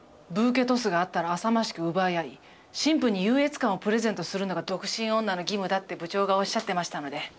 ブーケトスがあったらあさましく奪い合い新婦に優越感をプレゼントするのが独身女の義務だと部長がおっしゃってましたので。